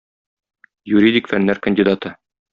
Юридик фәннәр кандидаты.